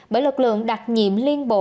bởi lực lượng đặc nhiệm